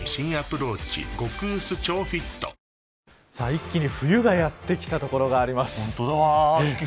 一気に冬がやって来た所があります。